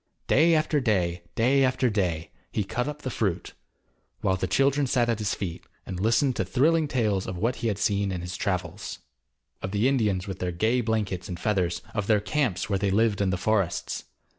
Day after day, day after day, he cut up the fruit, while the children sat at his feet, and listened to thrilling tales of what he had seen in his travels. Of the Indians with their gay blankets and feathers, of their camps where they lived in the forests.